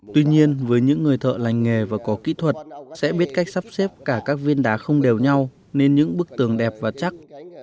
tuy nhiên với những người thợ lành nghề và có kỹ thuật sẽ biết cách sắp xếp cả các viên đá không đều nhau nên những bức tường đẹp và chắc